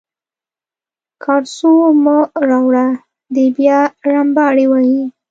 کارسو مه راوړه دی بیا رمباړې وهي.